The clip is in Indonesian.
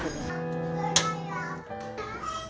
dan dapat pahala